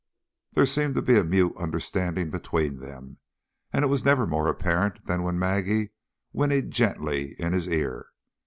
There seemed to be a mute understanding between them, and it was never more apparent than when Maggie whinnied gently in his ear.